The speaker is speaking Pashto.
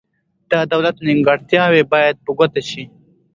د دولت نیمګړتیاوې باید په ګوته شي.